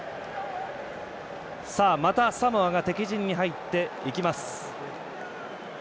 また、サモアが敵陣に入っていきます。